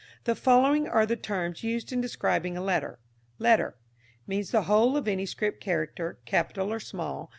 The following are the terms used in describing a letter: Letter means the whole of any script character, capital or small.